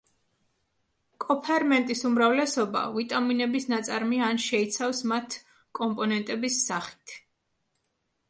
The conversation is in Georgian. კოფერმენტის უმრავლესობა ვიტამინების ნაწარმია ან შეიცავს მათ კომპონენტების სახით.